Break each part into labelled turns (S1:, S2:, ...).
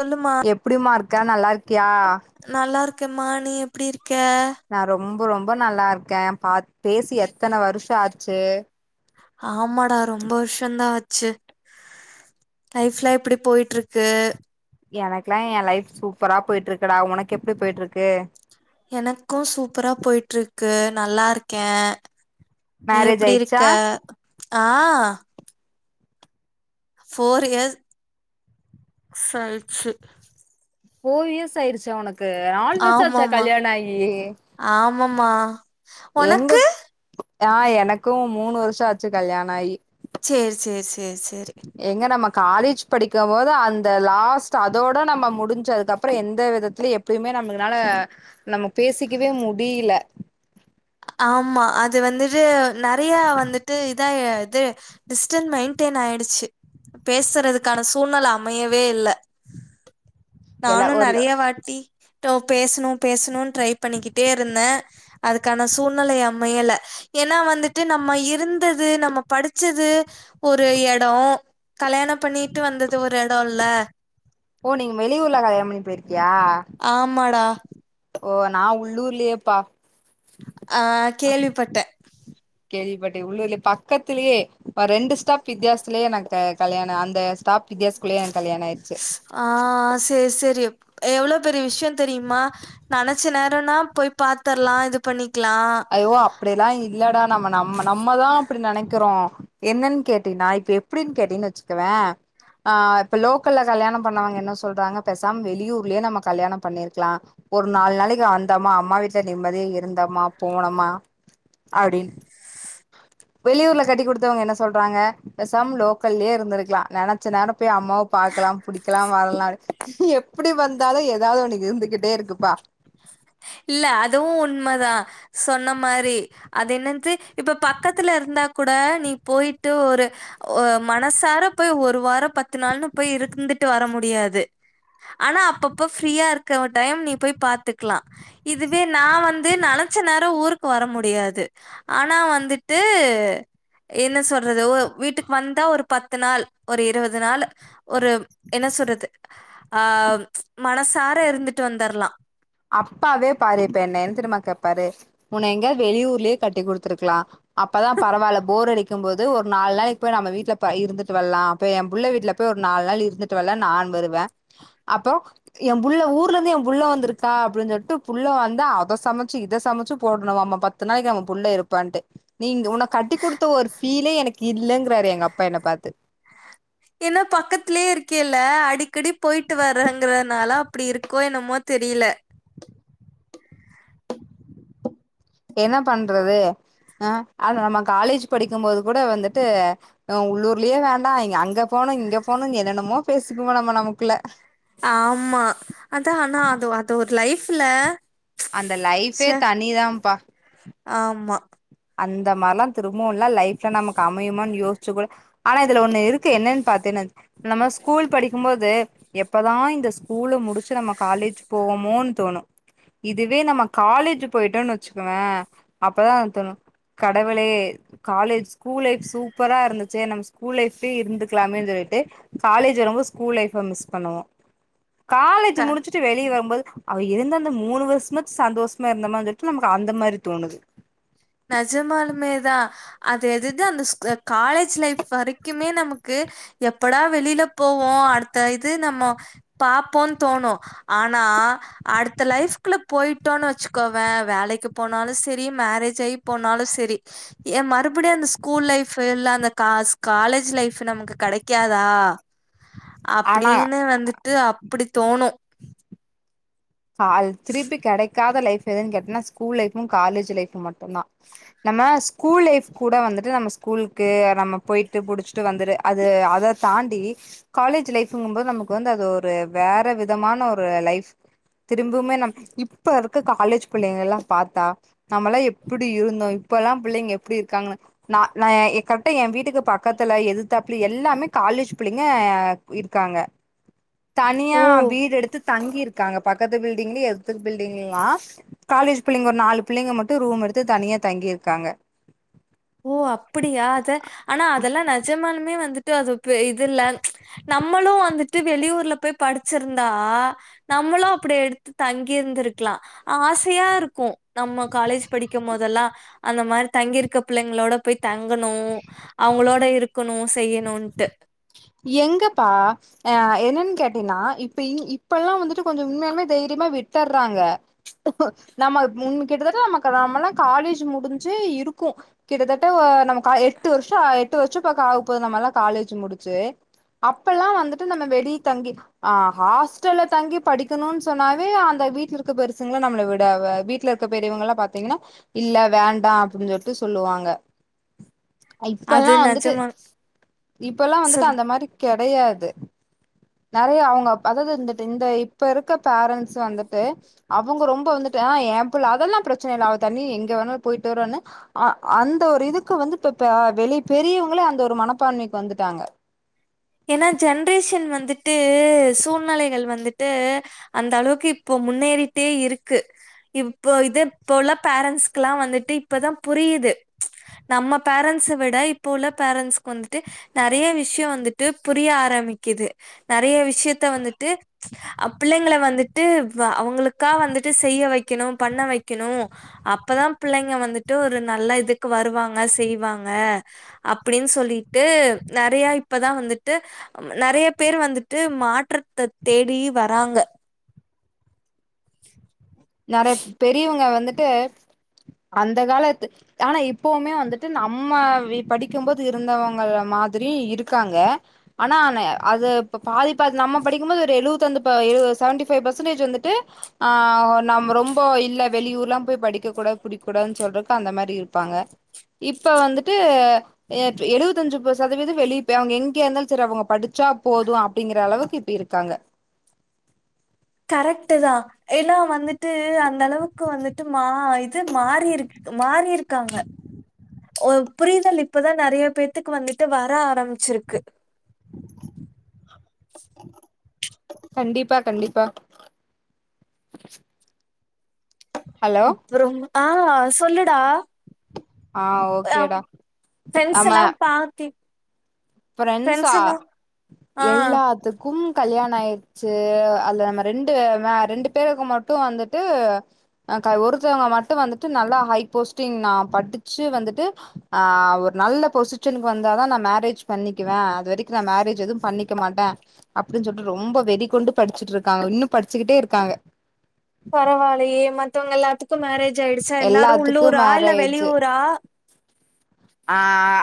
S1: சொல்லுமா
S2: எப்டிமா ருக்க நல்லாருக்கியா
S1: நல்லாருக்க மா நீ எப்டி இருக்க
S2: நா ரொம்போ ரொம்ப நல்லா இருக்கே பா பேசி எத்தன வருஷோ ஆச்சு
S1: ஆமாடா ரொம்ப வருஷோ தா ஆச்சு லைஃப்லா எப்டி போய்ட்டுருக்கு
S2: எனக்கல்லா எ லைஃப் சூப்பரா போயிட்ருக்குடா உனக் எப்டி போயிட்ருக்கு
S1: எனக்கு சூப்பரா போய்ட்ருக்கு நல்லாருக்கே நீ
S2: மேரேஜ்
S1: எப்டி
S2: ஆயிடுச்சா
S1: இருக்க ஆ போர் இயர் சாயிச்சு
S2: ஃபோர் இயர்ஸ் ஆயிருச்சா உனக்கு நால் வர்ஷ ஆச்ச கல்யானாய்யி
S1: ஆமம்மா
S2: எங்கக் ஆ எனக்கு மூனு வருஷோ ஆச்சு கல்யாணாயி
S1: சேர் சேர் சேர் சேரி
S2: எங்க நம்ம காலேஜ் படிக்க போது அந்த லாஸ்ட் அதோட நம்ம முடிஞ்சு அதுக்கப்ர எந்த விதத்துலியு எப் பயுமே நம்மளுனால நம்ம பேசிக்கவே முடியில
S1: ஆமா அது வந்துட்டு நறைய வந்துட்டு இதா அ இது டிஸ்டன் மெயின்டென் ஆயிடுச்சு பேசுறதுக்கான சூழ்நெல அமையவே இல்ல
S2: எல்லா
S1: நானு
S2: ஒரு
S1: நறைய வாட்டி டு பேசணு பேசணு ட்ரை பண்ணிக்கிட்டே இருந்தே அதுக்கா ன சூழ்நெலை அமையல ஏன்னா வந்துட்டு நம்ம இருந்தது நம்ம படிச்சது ஒரு எடோ கல்யாண பண்ணிட்டு வந்தது ஒரு எடோல்ல
S2: ஓ நீங் வெளியூர்ல கல்யாண பண்ணி போயிருக்கியா
S1: ஆமாடா
S2: ஓ நா உள்ளூர்லியேபா
S1: அ கேள்விப்பட்ட
S2: கேள்விப்பட்டே உள்ளூர்லே பக்கத்துலியே அ ரெண்டு ஸ்டாப் வித்தியாசத்துலயே நாங்க கல்யாண அந்த ஸ்டாப் வித்தியாஸ் குள்ளயே கல்யாண ஆயிச்சு
S1: ஆ சேர் சேரி எவ்ளோ பெரிய விஷ்யோ தெரிம்மா நனச்ச நேரோனா போய் பாத்தர்லா இது பண்ணிக்லா
S2: அப்டியெல்லா இல்லடா நம்ம நம்ம நம்மதா அப்டி நெனைக்கிறோ என்னன் கேட்டீன்னா இப்ப எப்டின் கேட்டீன் வெச்க்கவே அ இப்ப லோக்கல்ல கல்யாணம் பண்ணவங்க என்ன சொல்றாங்க பெசாம் வெளியூர்லே நம்ம கல்யாணம் பண்ணீர்க்கலா ஓர் நால் நாளைக் வந்தம்மா அம்மா வீட்ல நிம்மதியா இருந்தம்மா போனமா அப்டின் வெளியூர்ல கட்டிக் குடுத்தவங்க என்ன சொல்றாங்க பெசாம் லோக்கல்லியே இருந்துருக்கலா நெனச்ச நேரோ போய் அம்மாவ பாக்கலா புடிக்கலா வரலா எப்படி வந்தாலு எதாவது ஒன்னு இருந்துகிட்டே இருக்குப்பா
S1: இல்ல அதுவு உண்மதா சொன்ன மாரி அது என்னந்து இப்ப பக்கத்துல இருந்தா கூட நீ போய்ட்டு ஒரு ஒ மனசார போய் ஒரு வாரோ பத்து நாள்ன்னு போய் இருந்துட்டு வர முடியாது ஆனா அப்பப்ப ஃப்ரீயா இருக்க டைம் நீ போய் பாத்துக்கலா இதுவே நா வந்து நெனச்ச நேரோ ஊருக்கு வர முடியாது ஆனா வந்துட்டு என்ன சொல்றது வீட்டுக்கு வந்தா ஒரு பத்து நாள் ஒரு இருவது நாள் ஒரு என்ன சொல்றது அ மனசார இருந்துட்டு வந்துர்லா
S2: அப்பாவே பாரு இப்ப என்ன என் தெரியுமா கேப்பாரு உன்ன எங்கயாது வெளியூர்லே கட்டி குடுத்துருக்கலா அப்பதா பரவாயில்ல போர் அடிக் கும்போது ஒரு நால் நாளைக்கு போய் நம்ம வீட்ல இருந்துட்டு வரலா இப்ப எ புள்ள வீட்ல போய் ஒரு நால் நாள் இருந்துட் டு வர்லா நான் வருவே அப்பறோ எ புள்ள ஊர்ல இருந்து எ புள்ள வந்திருக் கா அப்டின்னு சொல்லிட்டு புள்ள வந்தா அத சமச்சு இத சமச்சு போடணும்மாமா பத்து நாளைக்கு நம்ம புள்ள இருப்பான்ட்டு நீங்க உன்ன கட்டி குடுத்த ஒரு ஃபீலே எனக்கு இல்லங்றாரு எங்க அப்பா என்ன பாத்து
S1: ஏன்னா பக்கத்துலயே இருக்கேல்ல அடிக்கடி போயிட்டு வர்றங்கறனால அப்டி இருக்கோ என்னமோ தெரியல
S2: என்ன பண்றது அ ஆது நம்ம காலேஜ் படிக்கும் போது கூட வந்துட்டு அ உள்ளூர்லயே வேண்டா இ அங்க போணு இங்க போணு என்னன்னமோ பேசிக்கிவோ நம்ம நமக்குள்ள
S1: ஆமா அதா ஆனா அது அது ஒரு லைஃப்ல
S2: அந்த லைஃபே
S1: ச்சே!
S2: தனிதாப்பா
S1: ஆமா
S2: அந்த மாரிலா திரும்பவுல்லா லைஃப்ல நமக்கு அமையுமானு யோசிச்சு கூட ஆனா இதுல ஒண்ணு இருக்கு என்னன்னு பாத்தேன்னு நம்ம ஸ்கூல் படிக்கும்போது எப்பதா இந்த ஸ்கூல முடிச்சு நம்ம காலேஜ் போவோமோன் தோணு இதுவே நம்ம காலேஜ் போயிட்டோன்னு வச்சுக்குவே அப்பதா தோணு கடவுளே காலேஜ் ஸ்கூல் லைஃப் சூப்பரா இருந்துச்சே நம்ம ஸ்கூல் லைஃப்லே இருந்துக்கலாமே சொல்லிட்டு காலேஜ் வரும்போது ஸ்கூல் லைஃப்ப மிஸ் பண்ணுவோ
S1: க
S2: காலேஜ் முடிச்சு ட்டு வெளிய வரும்போது அவ இருந்தந்த மூணு வருஷமாது சந்தோஷமா இருந்த மாரி இருந்துட்டு நமக்கு அந்த மாரி தோணுது
S1: நெஜமாலுமே தா அது எதது அந்த காலேஜ் லைஃப் வரைக்குமே நமக்கு எப்படா வெளியில போவோ அடுத்த இது நம்ம பாப்போன்னு தோணு ஆனா அடுத்த லைஃப்க்குள்ள போயிட்டோன்னனு வெச்சுக்கோவே வேலைக்கு போனாலு சரி மேரேஜ் ஆயி போனாலு சரி ஏ மறுபடியு அந்த ஸ்கூல் லைஃப் இல்ல அந்த கா காலேஜ் லைஃப் நமக்கு கிடைக்காதா
S2: ஆனா
S1: அப்படின்னு வந்துட்டு அப்படி தோணு
S2: ஆ அது திருப்பி கிடைக்காத லைஃப் எதுன்னு கேட்டேன்னா ஸ்கூல் லைஃபு காலேஜ் லைஃபு மட்டுந்தா நம்ம ஸ்கூல் லைஃப் கூட வந்துட்டு நம்ம ஸ்கூலுக்கு நம்ம போய்ட்டு புடிச்சிட்டு வந்துரு அது அத தாண்டி காலேஜ் லைஃப்ங்கும்போது நமக்கு வந்து அது ஒரு வேற விதமான ஒரு லைஃப் திரும்பவுமே நம்ம இப்ப இருக்க காலேஜ் பிள்ளைங்க எல்லா பாத்தா நம்மல்லா எப்படி இருந்தோ இப்ப எல்லா பிள்ளைங்க எப்படி இருக்காங்கன்னு நா நா கரெக்ட என் வீட்டுக்கு பக்கத்துல எதிதாப்புல எல்லாமே காலேஜ் பிள்ளைங்க இருக்காங்க தனியா
S1: ஓ!
S2: வீடு எடுத்து தங்கி இருக்காங்க பக்கத்து பில்டிங்லயு எதிர் பில்டிங்ளலா காலேஜ் பிள்ளைங்க ஒரு நாலு பிள்ளைங்க மட்டு ரூம் எடுத்து தனியா தங்கிருக்காங்க
S1: ஓ அப்பிடியா அத ஆனா அதெல்லா நெஜமாலுமே வந்துட்டு அது இப்ப இது இல்ல நம்மளு வந்துட்டு வெளியூர்ல போய் படிச்சிருந்தா நம்மளு அப்டி எடுத்து தங்கிருந்திருக்கலா ஆசையா இருக்கு நம்ம காலேஜ் படிக்கும் போதெல்லா அந்த மாரி தங்கிருக்கப் பிள்ளைங்களோட போய் தங்கணு அவ்ங்களோட இருக்கணு செய்யணுன்ட்டு
S2: எங்கப்பா அ என்னன்னு கேட்டீங்கனா இப்ப இ இப்பெல்லா வந்துட்டு கொஞ்ச உண்மையாலுமே தைரியமா விட்டுர்றாங்க நம்ம முன்ன கிட்டத்தட்ட நமக்கு நம்மெல்லா காலேஜ் முடிஞ்சே இருக்கு கிட்டத்தட்ட அ நமக்கா எட்டு வர்ஷ ஆ எட்டு வர்ஷ பக்க ஆகப்போது நம்மலா காலேஜு முடிச்சு அப்பலா வந்துட்டு நம்ம வெளி தங்கி ஆ ஹாஸ்டல்ல தங்கி படிக்கணுன் சொன்னாவே அந்த வீட்ல இருக்க பெருசுங்களா நம்மள விடா வ வீட்ல பெரியவங்களா பாத்தீங்கனா இல்ல வேண்டா அப்படின் சொல்ட்டு சொல்லுவாங்க அ
S1: அது
S2: இப்பலா வந்துட்டு
S1: நிஜமா
S2: இப்பலா வந்துட்டு
S1: சொல்லு.
S2: அந்த மாரி கெடையாது நெறைய அவ்ங்க அதாது இருந்துட்டு இந்த இப்ப இருக்க பேரண்ட்ஸ் வந்துட்டு அவுங்க ரொம்ப வந்துட்டு ஆ ஏ பிள்ள அதெல்லா பிரச்சன இல்ல அவ தனி எங்க வேணாலு போயிட்டு வருவான்னு அ அந்த ஒரு இதுக்கு வந்து இப்பப்ப வெளிய பெரியவ்ங்களே அந்த ஒரு மனப்பான்மைக்கு வந்துட்டாங்க
S1: ஏனா ஜென்ரேஷன் வந்துட்டு சூழ்நிலைகள் வந்துட்டு அந்த அளவுக்கு இப்போ முன்னேறிட்டே இருக்கு இப்போ இது இப்போ உள்ள பேரண்ட்ஸ்க்குலா வந்துட்டு இப்பதா புரியுது நம்ம பேரண்ட்ஸ விட இப்போ உள்ள பேரண்ட்ஸ்க்கு வந்துட்டு நெறைய விஷ்ய வந்துட் ட்டு புரிய ஆரம்மிக்குது நெறைய விஷ்யத்த வந்துட்டு அ பிள்ளைங்கள வந்துட்டு வ அவ்ங்களுக்கா செய்ய வக்கெணு பண்ண வக்கெணு அப்பதா பிள்ளைங்க வந்துட்டு ஒரு நல்ல இதுக்கு வருவாங்க செய்வாங்க அப்டின் சொல்லிட்டு நெறைய இப்பதா வந்து ட்டு நெறைய பேரு வந்துட்டு மாற்றத்த தேடி வராங்க
S2: நெறைய பெரியவ்ங்க வந்துட்டு அந்த காலத்து ஆனா இப்பவுமே வந்துட்டு நம்ம வீ படிக்கும்போது இருந்தவுங்க மாதிரி இருக்காங்க ஆனா என்ன அது இப்ப பாதி பாதி நம்ம படிக்கும்போது ஒரு எழுவத்தந்து ப எழுவது செவன்டி ஃபைவ் பர்சன்டேஜ் வந்துட்டு ஆ நம்ம ரொம்ப இல்ல வெளியூர்லா போய் படிக்க கூடாது புடிக்க கூடாதுன் சொல்றக்கு ப்ப அந்த மாரி இருப்பாங்க இப்ப வந்துட்டு எ எழுவத்தஞ்சு ப சதவீத வெளியப் போய் அவ்ங்க எங்கயா இருந்தாலு சேரி அவ்ங்க படிச் சா போது அப்டிங்கிற அளவுக்கு இப்ப இருக்காங்க
S1: கரெக்ட்டு தா ஏனா வந்துட்டு அந்த அளவுக்கு வந்துட்டு மா இது மாறிருக்கு க்கு மாறி இருக்காங்க ஒரு புரிதல் இப்பதா நெறைய பேத்துக்கு வந்துட்டு வர ஆரம்மிச்சிருக்கு
S2: கண்டிப்பா கண்டிப்பா ஹலோ
S1: அப்றோம் ஆ சொல்லுடா
S2: ஆ ஓகேடா ஆமா
S1: பார்த்தி
S2: ஃபிரெண்ட்ஸா
S1: ஆ
S2: எல்லாத்துக்கும் கல்யாண ஆய்ரு சே அதுல நம்ம ரெண்டு ரெண்டு பேருக்கு மட்டு வந்துட்டு அ கா ஒருத்தவங்க மட்டு வந்துட்டு நல்லா ஹை போஸ்ட்டிங் நா படுச்சு வந்துட்டு ஆ ஒரு நல்ல பொசிஷனுக்கு வந்தாதா நா மேரேஜ் பண்ணிக்குவே அது வரிக்கு நா மேரேஜ் எதுவு பண்ணிக்க மாட்டே அப்டின் சொல்ட்டு ரொம்ப வெறிகொண்டு படுச்சுட்டு இருக்காங்க இன்னு படுச்சுக்கிட்டே இருக்காங்க
S1: பரவால்லையே மத்தவங்க எல்லாத்துக்கு மேரேஜ் ஆயிடுச்சா எல்லாரு
S2: எல்லாத்துக்கு
S1: உள்ளூரா இல்ல
S2: மேரேஜ்
S1: வெளியூரா
S2: ஆ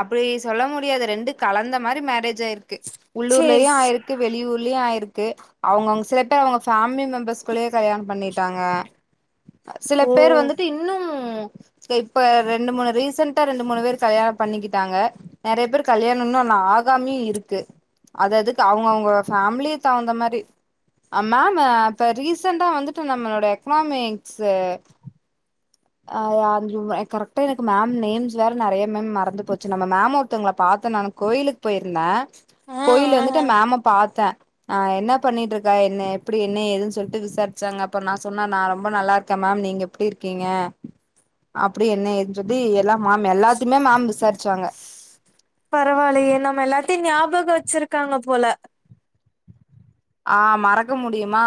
S2: அப்டி சொல்ல முடியாது ரெண்டு கலந்த மாறி மேரேஜ் ஆயிருக்கு உள்ளூர்லயு
S1: சேரி ஸ்
S2: ஆயிரு க்கு வெளியூர்லியு ஆயிருக்கு அவுங்கவுங் சில பேர் அவுங்க ஃபேமிலி மெம்பர்ஸ்குள்ளயே கல்யாணம் பண்ணிட்டாங்க சில
S1: ஓ
S2: பேர் வந்துட்டு இன்னும் இப்ப ரெண்டு மூனு ரீசண்டா ரெண்டு மூனு வேரு கல்யாணம் பண்ணிக்கிட்டாங்க நெறைய பேர் கல்யாணொ இன்னொனா ஆகாமயு இருக்கு அது அதுக்கு அவுங்க அவுங்க ஃபேமிலிய தகுந்த மாறி அ மேம் இப்ப ரீசென்டா வந்துட்டு நம்மளோட எக்னாமிக்ஸ்ஸு அ [unintelligible] கரெக்டா எனக்கு மேம் நேம்ஸ் வேற நெறைய மேம் மறந்து போச்சு நம்ம மேம் ஒருத்தவுங்கள பாத்தே நானு கோயிலுக்கு போயிருந்தே
S1: ஆ
S2: கோயில்ல
S1: ஆ
S2: வந்துட்டு
S1: ஆ
S2: மேம்ம பாத்தே அ என்ன பண்ணிட்டு இருக்க என்ன எப்புடி என்ன ஏதுன்னு சொல்ட்டு விசாரிச்சாங்க அப்ப நா சொன்ன நா ரொம்ப நல்லா இருக்கே மேம் நீங்க எப்டி இருக்கீங்க அப்டி என்ன ஏதுன் சொல்லி எல்லா மேம் எல்லாத்தையுமே மேம் விசாருச்சாங்க
S1: பரவால்லையே நம்ம எல்லாத்தையு ஞாபக வச்சுருக்காங்க போல
S2: ஆ மறக்க முடியுமா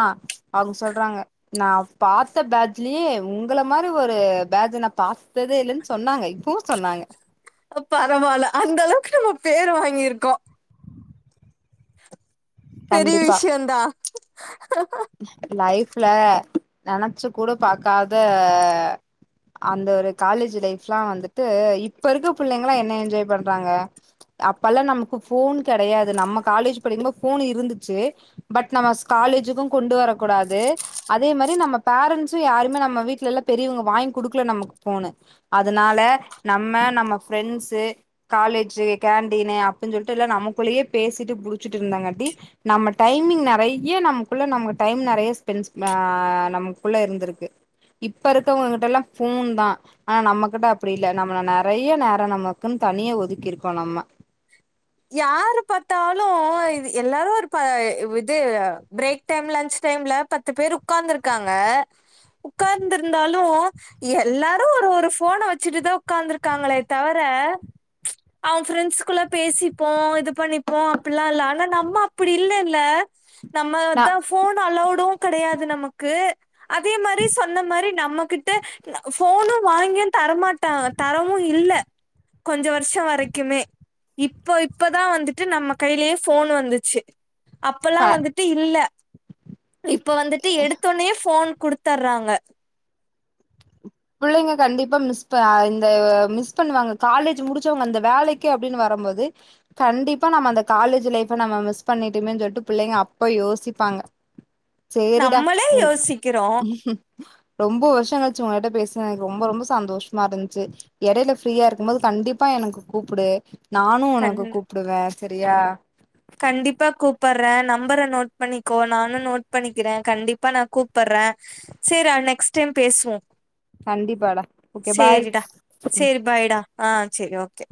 S2: அவுங்க சொல்றாங்க நா பாத்த பேஜ்லயே உங்கள மாறி ஒரு பேஜ்ஜ நா பாத்ததே இல்லன்னு சொன்னாங்க இப்பொ சொன்னாங்க
S1: பரவால்ல அந்த அளவுக்கு நம்ம பேரு வாங்கிருக்கோ பெரிய
S2: கண்டிப்பா
S1: விஷ்யந்தா
S2: லைஃப்ல நெனச்சு கூட பாக்காத அந்த ஒரு காலேஜ் லைஃப்ல்லா வந்துட்டு இப்ப இருக்க புள்ளைங்களா என்ன என்ஜாய் பண்றாங்க அப்பல்லா நமக்கு ஃபோன் கெடையாது நம்ம காலேஜ் படிக்கும்போத் ஃபோனு இருந்துச்சு பட் நம்ம ஸ் காலேஜுக்கு கொண்டு வரக் கூடாது அதே மாறி நம்ம பேரண்ஸ்ஸு யாருமே நம்ம வீட்ல எல்லா பெரியவுங்க வாங்கி குடுக்கல நமக்கு ஃபோனு அதுனால நம்ம நம்ம ஃப்ரெண்ட்ஸ்ஸு காலேஜ்ஜு கேண்டீனு அப்டின் சொல்ட்டு எல்லா நமக்குள்ளயே பேசிட்டு புடுச்சுட்டு இருந்தாங்க அப்டி நம்ம டைமிங் நெறைய நம குள்ள நமக்கு டைம் நெறைய ஸ்பெண்ட்ஸ் அ நமக்குள்ள இருந்துருக்கு இப்ப இருக்கவங்ககிட்ட எல்லா ஃபோன்தா ஆனா நம்மகிட்ட அப்புடி இல்ல நம்மள நெறைய நேரொ நமக்குன்னு தனிய ஒதுக்கி இருக்கோ நம்ம
S1: யாரு பாத்தாலு இது எல்லாரு ஒரு ப இது பிரேக் டைம் லன்ச் டைம்ல பத்து பேர் உக்காந்துருக்காங்க உக்காந்து இருந்தாலு எல்லாரு ஒரு ஒரு ஃபோன வச்சுட்டுதா உக்காந்துருக்காங்களே தவர ஆவ ஃப்ரெண்ட்ஸ் குள்ள பேசிப்போ இது பண்ணிப்போ அப்டிலா இல்ல ஆனா நம்ம அப்டி இல்லெல்ல
S2: நா
S1: நம்மதா ஃபோன் அலோவ்டு கெடையாது நமக்கு அதே மாரி சொன்ன மாரி நம்மகிட்ட ஃபோனு வாங்கியு தரமாட்டாங் தரவு இல்ல கொஞ்ச வர்ஷோ வரைக்குமே இப்ப இப்பதா வந்துட்டு நம்ம கையிலேயே ஃபோன் வந்துச்சு அப்பல்லா
S2: க
S1: வந்துட்டு இல்ல இப்ப வந்துட்டு எடுத்தோனே ஃபோன் குடுத்தர்றாங்க
S2: புள்ளெங்க கண்டிப்பா மிஸ் ப அ இந்த மிஸ் பண்ணுவாங்க காலேஜ் முடுச்சவுங்க அந்த வேலக்கி அப்டின்னு வரம்போது கண்டிப்பா நம்ம அந்த காலேஜ் லைஃப நம்ம மிஸ் பண்ணிட்டோமேனு சொல்லிட்டு பிள்ளைங்க அப்போ யோசிப்பாங்க சேரிடா
S1: நம்மளே
S2: ம்
S1: யோசிக்கிறோ
S2: ரொம்ப வருஷோ கழிச்சு உங்க கிட்ட பேச எனக்கு ரொம்ப ரொம்ப சந்தோஷமா இருந்துச்சு எடையில ஃப்ரீயா இருக்கும்போது கண்டிப்பா எனக்கு கூப்புடு நானு
S1: கண்
S2: உனக்கு கூப்டுவே செரியா
S1: எப்ப கூப்பட்ற நம்பர நோட் பண்ணிக்கோ நானு நோட் பண்ணிக்கிற கண்டிப்பா நா கூப்பட்ற செரி அ நெக்ஸ்ட் டைம் பேசுவோ
S2: கண்டிப்பாடா ஓகே பாய்
S1: செரிடா செரி பாய்டா ஆ செரி ஓகே